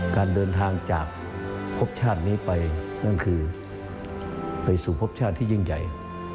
การเดินทางจากพบชาตินี้ไปนั่นคือไปสู่พบชาติที่ยิ่งใหญ่